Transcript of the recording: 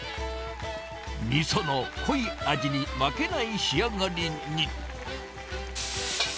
みその濃い味に負けない仕上がりに。